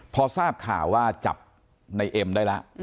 พอทราบข่าวว่าจับในเอ็มได้แล้ว